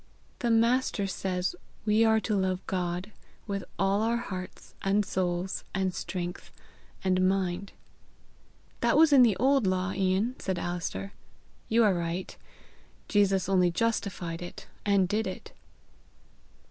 "The Master says we are to love God with all our hearts and souls and strength and mind." "That was in the old law, Ian," said Alister. "You are right. Jesus only justified it and did it."